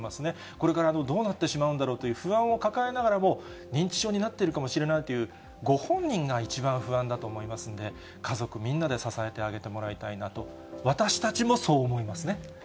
これからどうなってしまうんだろうという不安を抱えながらも、認知症になってるかもしれないという、ご本人が一番不安だと思いますので、家族みんなで支えてあげてもらいたいなと、私たちもそう思いますね。